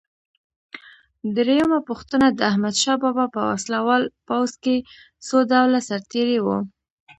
درېمه پوښتنه: د احمدشاه بابا په وسله وال پوځ کې څو ډوله سرتیري وو؟